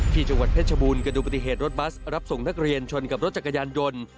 จังหวัดเพชรบูรณ์เกิดดูปฏิเหตุรถบัสรับส่งนักเรียนชนกับรถจักรยานยนต์